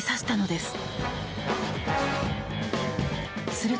すると。